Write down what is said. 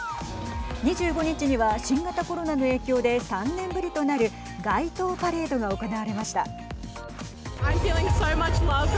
２５日には新型コロナの影響で３年ぶりとなる街頭パレードが行われました。